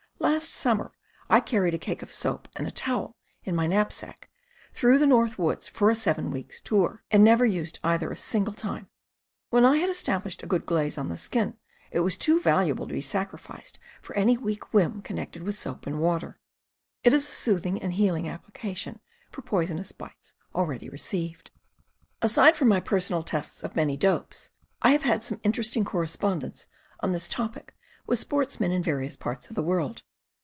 Last summer I carried a cake of soap and a towel in my knapsack through the North Woods for a seven weeks' tour, and never used either a single time. When I had established a good glaze on the skin, it was too valuable to be sacrificed for any weak whim connected with soap and water ... It is a soothing and healing appli cation for poisonous bites already received. Aside from my personal tests of many dopes, I have had some interesting correspondence on this topic with sportsmen in various parts of the world.